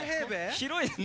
広い！